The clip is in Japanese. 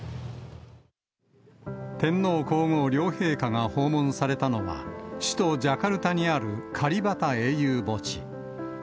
天皇皇后両陛下が訪問されたのは、首都ジャカルタにあるカリバタ英雄墓地。